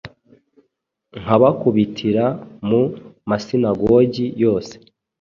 nkabakubitira mu masinagogi yose.